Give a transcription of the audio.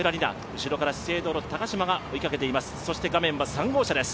後ろから資生堂の高島が追いかけています。